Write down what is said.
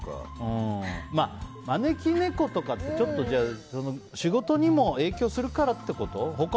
招き猫とかって、仕事にも影響するからってこと？